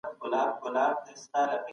د دودونو ماتول په سياست کې سخت کار دی.